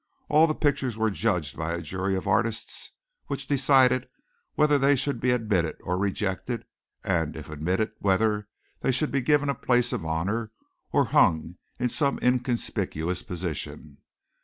All the pictures were judged by a jury of artists which decided whether they should be admitted or rejected, and if admitted whether they should be given a place of honor or hung in some inconspicuous position.